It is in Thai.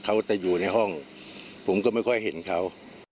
เขาจะอยู่ในห้องผมก็ไม่ค่อยเห็นเขา